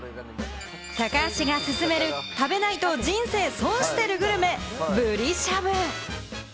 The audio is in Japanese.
高橋がすすめる、食べないと人生損してるグルメ、ブリしゃぶ。